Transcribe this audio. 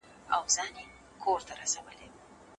د کلاسیکانو دا نظر نن ورځ صدق نه کوي.